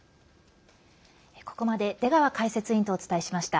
ここまで出川解説委員とお伝えしました。